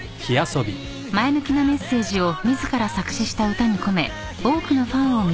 ［前向きなメッセージを自ら作詞した歌に込め多くのファンを魅了］